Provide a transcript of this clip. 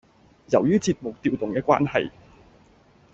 由於節目調動嘅關係